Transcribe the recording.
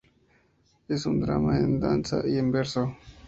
Es un drama en danza y en verso.